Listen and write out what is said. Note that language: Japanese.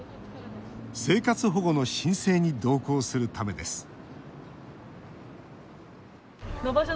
生活保護の申請に同行するためです